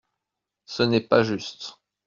Ce n’est pas juste.